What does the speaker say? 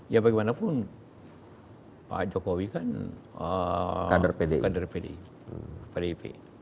ya bagaimanapun pak jokowi kan kader pdip